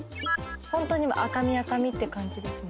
ホントに赤身赤身って感じですね